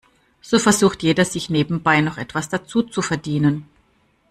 So versucht jeder, sich nebenbei noch etwas dazuzuverdienen.